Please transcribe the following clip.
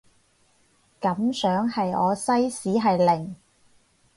感想係我西史係零